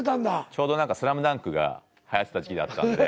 ちょうど何か「ＳＬＡＭＤＵＮＫ」がはやってた時期だったんで。